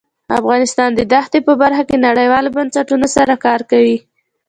افغانستان د دښتې په برخه کې نړیوالو بنسټونو سره کار کوي.